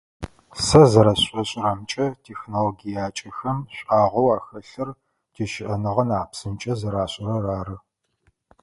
Сэ зэрэсшlошӏрэмкӏэ технологиякӏэхэм шӏуагъэу ахэлъыр - тищыӏэныгъэ нахь псынкӏэ зэрашӏырэр ары.